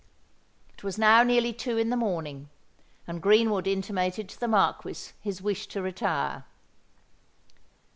It was now nearly two in the morning; and Greenwood intimated to the Marquis his wish to retire.